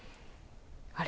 あれ？